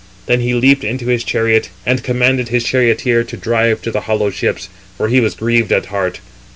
Then he leaped into his chariot, and commanded his charioteer to drive to the hollow ships; for he was grieved at heart.